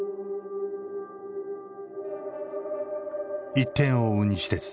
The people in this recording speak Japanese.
１点を追う西鉄